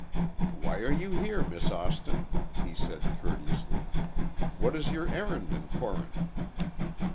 "Why are you here, Miss Austin?" he said, courteously; "what is your errand in Corinth?"